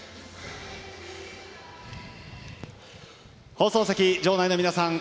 放送席、場内の皆さん。